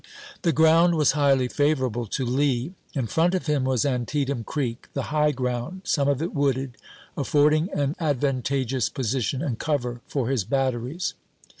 The ground was highly favorable to Lee. In front of him was Antietam Creek, the high ground, some of it wooded, affording an advantageous posi tion and cover for his batteries.